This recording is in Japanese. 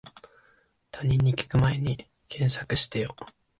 他人に聞くまえに検索してよ